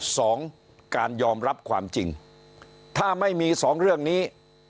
สองการยอมรับความจริงถ้าไม่มีสองเรื่องนี้